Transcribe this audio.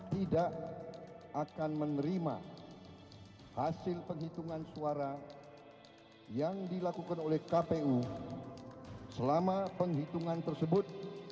tidak akan menerima hasil penghitungan suara yang dilakukan oleh kpu selama penghitungan tersebut